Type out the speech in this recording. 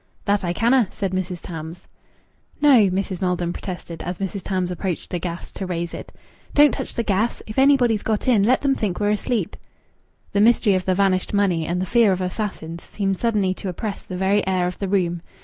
"That I canna'!" said Mrs. Tams. "No!" Mrs. Maldon protested, as Mrs. Tams approached the gas to raise it. "Don't touch the gas. If anybody's got in let them think we're asleep." The mystery of the vanished money and the fear of assassins seemed suddenly to oppress the very air of the room.